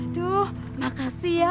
aduh makasih ya